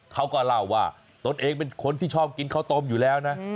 เขาก็เล่าว่าตนเองเป็นคนที่ชอบกินข้าวต้มอยู่แล้วนะ